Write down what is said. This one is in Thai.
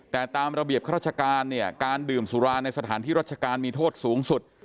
แต่ตามระเบียบราชการเนี่ยการดื่มสุราในสถานที่รัชการมีโทษสูงสุด